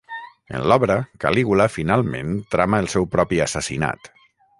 En l'obra, Calígula finalment trama el seu propi assassinat.